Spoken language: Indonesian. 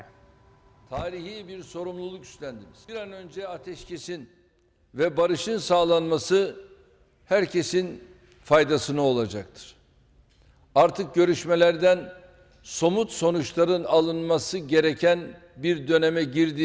kedua delegasi dicatwalkan mengadakan pembicaraan selama dua hari di gedung pembicaraan selasa erdogan mengadakan pembicaraan selama dua hari di gedung pembicaraan selasa erdogan menyebutkan kemajuan dalam perundingan ini bisa membukakan jalan bagi pertemuan antara para pemimpin kedua negara yang tengah berkonflik